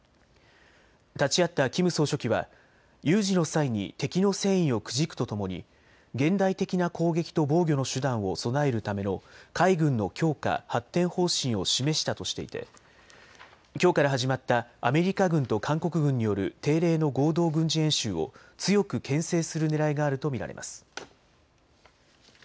立ち会ったキム総書記は有事の際に敵の戦意をくじくとともに現代的な攻撃と防御の手段を備えるための海軍の強化・発展方針を示したとしていてきょうから始まったアメリカ軍と韓国軍による定例の合同軍事演習を強くけん制するねらいがあると見られます。